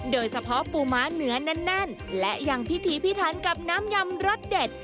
โดยเฉพาะปูม้าเนื้อแน่นและยังพิธีพิทันกับน้ำยำรสเด็ด